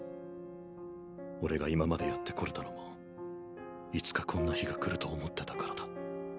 俺が今までやってこれたのもいつかこんな日が来ると思ってたからだ。